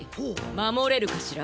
まもれるかしら？